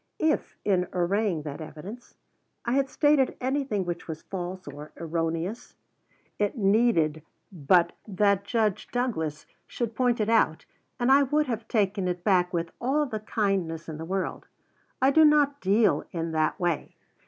If, in arraying that evidence, I had stated anything which was false or erroneous, it needed but that Judge Douglas should point it out, and I would have taken it back with all the kindness in the world. I do not deal in that way.